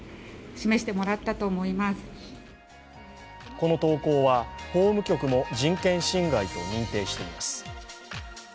この投稿は法務局も人権侵害と認定しています。